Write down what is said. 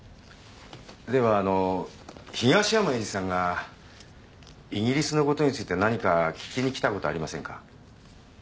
ではあの東山栄治さんがイギリスのことについて何か聞きに来たことありませんか？